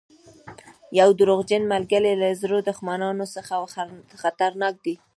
یو دروغجن ملګری له زرو دښمنانو څخه خطرناک دی.